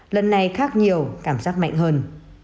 lần này khác nhiều cảm giác mạnh hơn